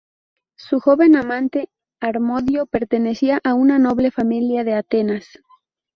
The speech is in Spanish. Su joven amante, Harmodio, pertenecía a una noble familia de Atenas.